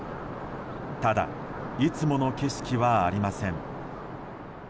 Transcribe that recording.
ただいつもの景色はありません。